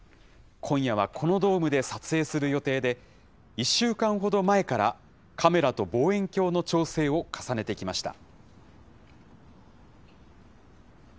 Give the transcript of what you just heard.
今夜はこのドームで撮影する予定で、１週間ほど前から、カメラと望遠鏡の調整を重ねてきました。